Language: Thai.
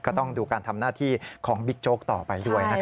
ก็ต้องดูการทำหน้าที่ของบิ๊กโจ๊กต่อไปด้วยนะครับ